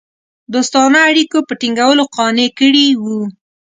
دوستانه اړېکو په ټینګولو قانع کړي وه.